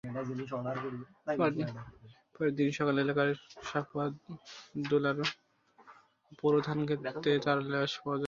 পরদিন সকালে এলাকার শাখোয়ার দোলার বোরো ধানখেতে তাঁর লাশ পাওয়া যায়।